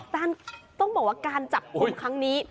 แต่ต้องบอกว่าการจับกลุ่มครั้งนี้